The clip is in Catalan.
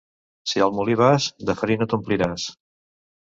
Si al molí vas, de farina t'ompliràs.